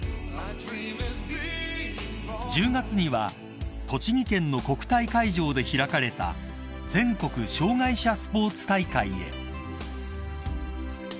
［１０月には栃木県の国体会場で開かれた全国障害者スポーツ大会へ］